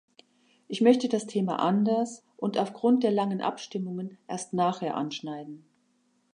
Ich möchte das Thema anders und aufgrund der langen Abstimmungen erst nachher anschneiden.